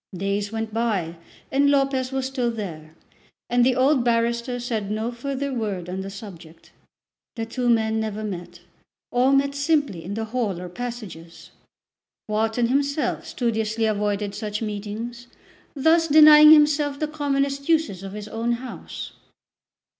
Days went by and Lopez was still there, and the old barrister said no further word on the subject. The two men never met; or met simply in the hall or passages. Wharton himself studiously avoided such meetings, thus denying himself the commonest uses of his own house.